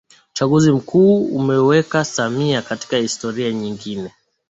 Uchaguzi mkuu ulimuweka Samia katika historia nyingine